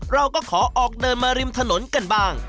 เราก็ขอออกเดินมาริมถนนกันบ้าง